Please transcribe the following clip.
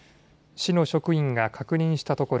市の職員が確認したところ